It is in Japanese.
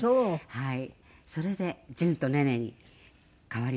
はい。